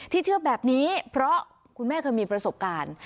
เชื่อแบบนี้เพราะคุณแม่เคยมีประสบการณ์